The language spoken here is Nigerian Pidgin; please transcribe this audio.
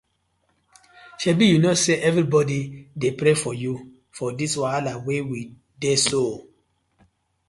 Shebi yu kno say everyday I dey pray for yu for this wahala wey we dey so.